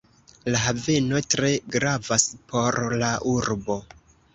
La haveno tre gravas por la urbo.